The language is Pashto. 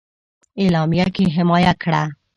اعلامیه کې حمایه کړه.